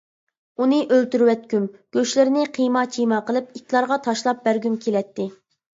ئۇنى ئۆلتۈرۈۋەتكۈم، گۆشلىرىنى قىيما-چىيما قىلىپ ئىتلارغا تاشلاپ بەرگۈم كېلەتتى.